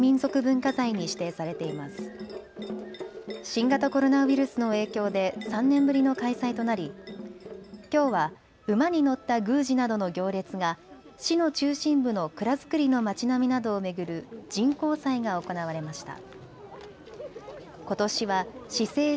新型コロナウイルスの影響で３年ぶりの開催となりきょうは馬に乗った宮司などの行列が市の中心部の蔵造りの町並みなどを巡る神幸祭が行われました。